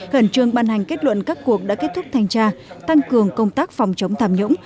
khẩn trương ban hành kết luận các cuộc đã kết thúc thanh tra tăng cường công tác phòng chống tham nhũng